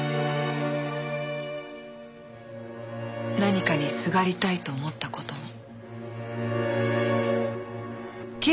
何かにすがりたいと思った事も。